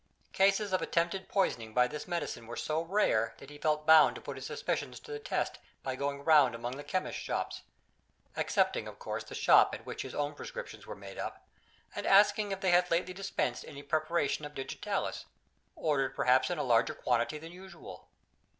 Cases of attempted poisoning by this medicine were so rare, that he felt bound to put his suspicions to the test by going round among the chemists's shops excepting of course the shop at which his own prescriptions were made up and asking if they had lately dispensed any preparation of Digitalis, ordered perhaps in a larger quantity than usual.